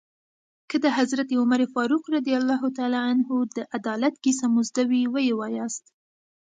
که د حضرت عمر فاروق رض د عدالت کیسه مو زده وي ويې وایاست.